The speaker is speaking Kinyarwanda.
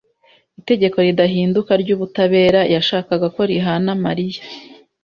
Itegeko ridahinduka ry'ubutabera yashakaga ko rihana Mariya